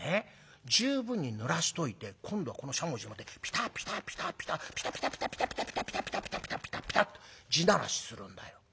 十分にぬらしといて今度はこのしゃもじでもってピタッピタッピタッピタッピタピタピタピタって地ならしするんだよ。